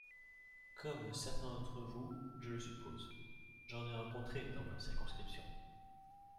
Comme certains d’entre vous je le suppose, j’en ai rencontré dans ma circonscription.